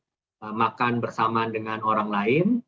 tidak menggunakan alat alat makan bersama dengan orang lain